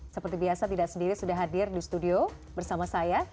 seperti biasa tidak sendiri sudah hadir di studio bersama saya